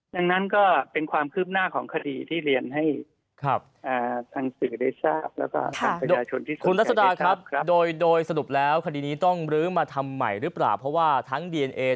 ดังนั้นก็เป็นความคืบหน้าของคดีที่เรียนให้ทางสื่อได้ทราบและการประยาชนที่สุด